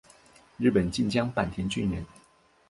日本近江坂田郡人。